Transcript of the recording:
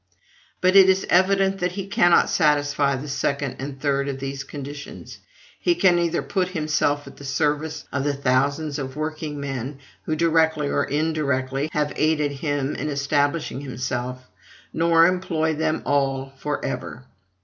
But it is evident that he cannot satisfy the second and third of these conditions he can neither put himself at the service of the thousands of working men, who, directly or indirectly, have aided him in establishing himself, nor employ them all for ever.